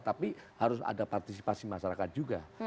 tapi harus ada partisipasi masyarakat juga